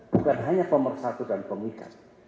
bukan hanya pemersatu dan pemikat